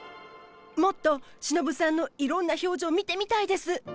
もっとシノブさんのいろんな表情見てみたいです。